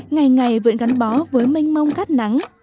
ngày ngày vẫn gắn bó với mênh mông cát nắng